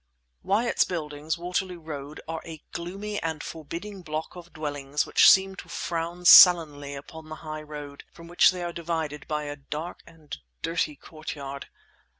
Wyatt's Buildings, Waterloo Road, are a gloomy and forbidding block of dwellings which seem to frown sullenly upon the high road, from which they are divided by a dark and dirty courtyard.